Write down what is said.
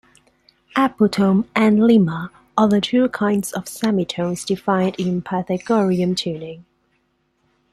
Apotome and limma are the two kinds of semitones defined in Pythagorean tuning.